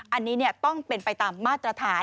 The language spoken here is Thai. อันนี้ต้องเป็นไปตามมาตรฐาน